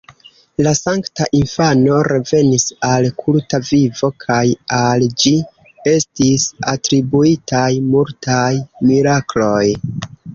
La Sankta Infano revenis al kulta vivo kaj al ĝi estis atribuitaj multaj mirakloj.